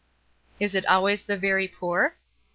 "Is it always the very poor?"